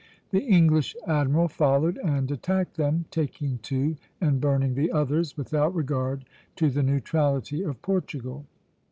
The English admiral followed and attacked them, taking two and burning the others, without regard to the neutrality of Portugal.